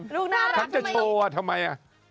ลูกน่ารักทำไม